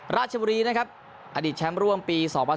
ราชบุรีนะครับอดีตแชมป์ร่วมปี๒๐๑๙